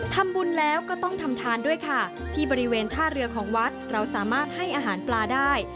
ทำบุญแล้วก็ต้องทำทานด้วยค่ะที่บริเวณท่าเรือของวัดเราสามารถให้อาหารปลาได้